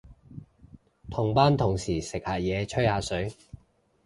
同班同事食下嘢，吹下水